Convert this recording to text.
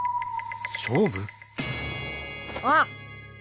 勝負？ああ。